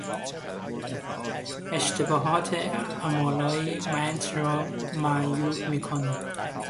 اشتباهات املایی متن را معیوب میکند.